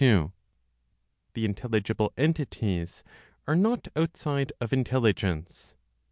The Intelligible Entities are not Outside of Intelligence.